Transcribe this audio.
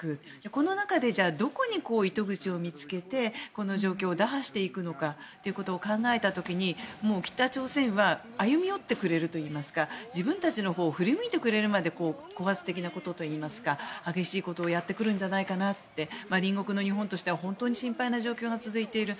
この中でどこに糸口を見つけてこの状況を打破していくのかということを考えた時に、北朝鮮は歩み寄ってくれるといいますか自分たちのほうを振り向いてくれるまで高圧的なことといいますか激しいことをやってくるのではと隣国の日本としては本当に心配な状況が続いている。